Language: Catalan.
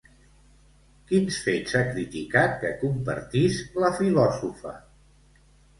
Quins fets ha criticat que compartís la filòsofa?